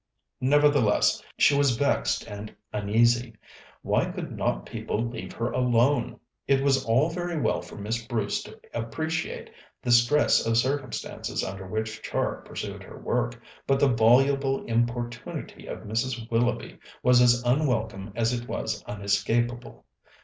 Nevertheless, she was vexed and uneasy. Why could not people leave her alone? It was all very well for Miss Bruce to appreciate the stress of circumstances under which Char pursued her work, but the voluble importunity of Mrs. Willoughby was as unwelcome as it was unescapable.